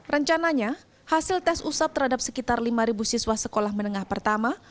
rencananya hasil tes usap terhadap sekitar lima siswa sekolah menengah pertama